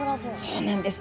そうなんです。